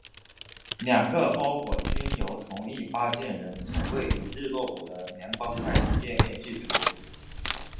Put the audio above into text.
两个包裹均由同一发件人从位于日落谷的联邦快递店面寄出。